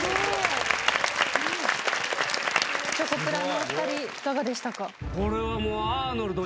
チョコプラのお２人いかがでしたか？